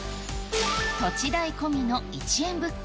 土地代込みの１円物件。